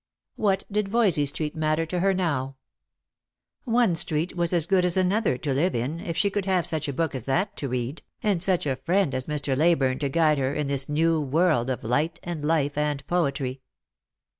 What did Voysey street matter to her now ? One street was as good as another to live in if she could have such a book as that to read, and such a friend as Mr. Leyburne to guide her in this new world of light, and life, and poetry.